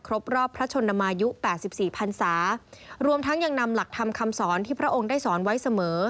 รอบพระชนมายุ๘๔พันศารวมทั้งยังนำหลักธรรมคำสอนที่พระองค์ได้สอนไว้เสมอ